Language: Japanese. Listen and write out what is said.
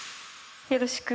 よろしく。